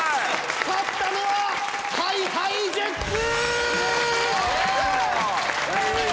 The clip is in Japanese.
勝ったのはＨｉＨｉＪｅｔｓ！